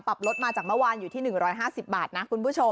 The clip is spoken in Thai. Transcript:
ลดมาจากเมื่อวานอยู่ที่๑๕๐บาทนะคุณผู้ชม